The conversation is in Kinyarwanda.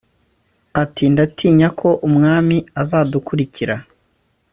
ati"ndatinyako umwami azadukurikira"